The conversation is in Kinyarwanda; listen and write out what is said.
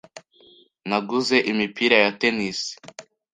Naguze imipira ya tennis.